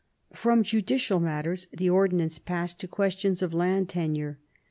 From judicial matters the ordinance passed to questions of land tenure.